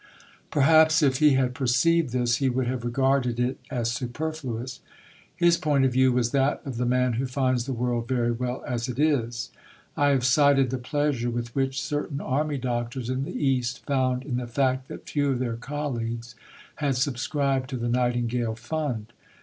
Perhaps, if he had perceived this, he would have regarded it as superfluous. His point of view was that of the man who finds the world very well as it is. I have cited the pleasure with which certain army doctors in the East found in the fact that few of their colleagues had subscribed to the Nightingale Fund.